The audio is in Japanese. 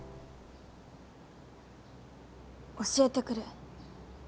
教えてくれ。